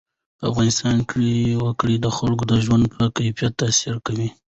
په افغانستان کې وګړي د خلکو د ژوند په کیفیت تاثیر کوي.